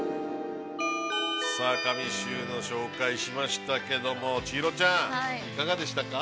◆さあ、紙収納紹介しましたけども、千尋ちゃん、いかがでしたか。